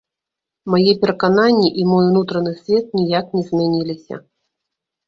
Мае перакананні і мой унутраны свет ніяк не змяніліся.